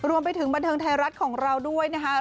รวมไปถึงบันเทิงไทยรัฐของเราด้วยนะฮะ